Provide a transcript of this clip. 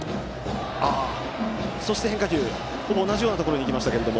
そして変化球がほぼ同じところに行きました。